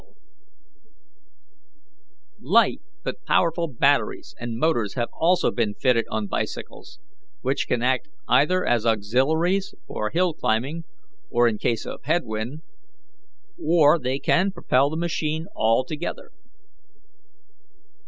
"Light but powerful batteries and motors have also been fitted on bicycles, which can act either as auxiliaries for hill climbing or in case of head wind, or they can propel the machine altogether.